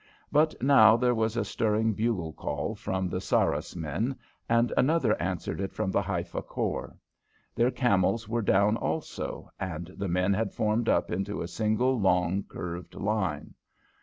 But now there was a stirring bugle call from the Sarras men, and another answered it from the Haifa Corps. Their camels were down also, and the men had formed up into a single long curved line.